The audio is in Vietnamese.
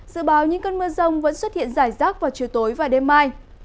dự báo những cơn mưa rông vẫn xuất hiện rải rác vào chiều tối và đêm mai